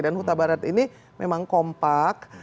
dan huta barat ini memang kompak